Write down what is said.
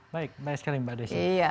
baik baik sekali mbak desi